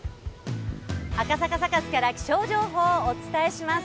赤坂サカスから気象情報をお伝えします。